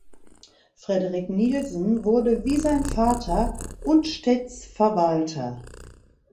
Frederik Nielsen wurde wie sein Vater Udstedsverwalter.